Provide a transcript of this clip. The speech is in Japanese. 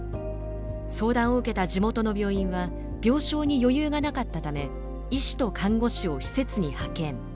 相談を受けた地元の病院は病床に余裕がなかったため医師と看護師を施設に派遣。